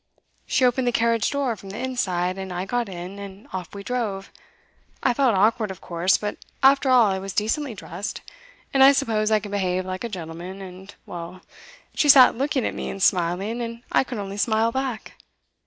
She opened the carriage door from the inside, and I got in, and off we drove. I felt awkward, of course, but after all I was decently dressed, and I suppose I can behave like a gentleman, and well, she sat looking at me and smiling, and I could only smile back.